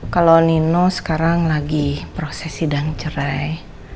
kalau nino sekarang lagi proses sidang cerai